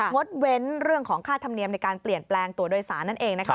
ดเว้นเรื่องของค่าธรรมเนียมในการเปลี่ยนแปลงตัวโดยสารนั่นเองนะคะ